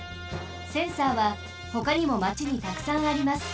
センサーはほかにもまちにたくさんあります。